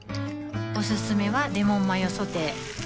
おすすめはレモンマヨソテー